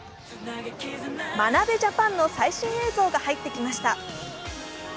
眞鍋ジャパンの最新映像が入ってきました。